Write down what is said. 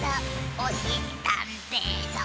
おしりたんていさん